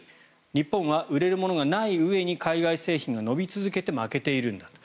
日本は売れるものがないうえに海外製品が伸び続けて負けているんだと。